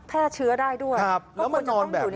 แพร่เชื้อได้ด้วย